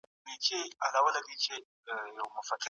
ایا نوي کروندګر وچ انار خرڅوي؟